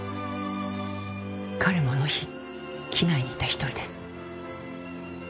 彼もあの日機内にいた一人です。